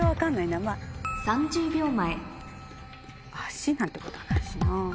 「足」なんてことはないしな。